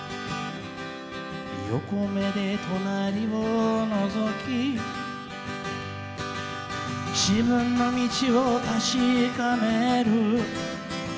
「横目でとなりをのぞき自分の道をたしかめる」